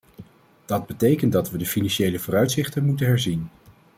Dat betekent dat we de financiële vooruitzichten moeten herzien.